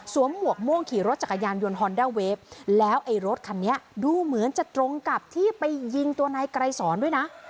หมวกม่วงขี่รถจักรยานยนต์ฮอนด้าเวฟแล้วไอ้รถคันนี้ดูเหมือนจะตรงกับที่ไปยิงตัวนายไกรสอนด้วยนะ